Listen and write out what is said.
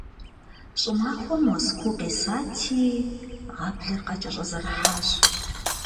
ЩӀымахуэм уэс куу къесати, гъаблэр къакӀэщӀэзэрыхьащ.